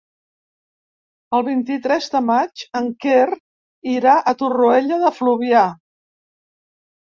El vint-i-tres de maig en Quer irà a Torroella de Fluvià.